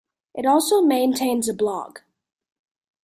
It also maintains a blog.